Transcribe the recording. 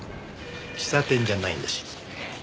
喫茶店じゃないんだし。